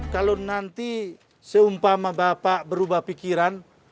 kalau nanti seumpama bapak berubah pikiran